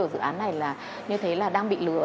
ở dự án này là như thế là đang bị lừa